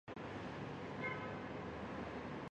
内容包括十四部注和十三部疏。